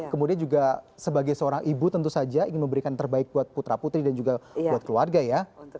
kemudian juga sebagai seorang ibu tentu saja ingin memberikan terbaik buat putra putri dan juga buat keluarga ya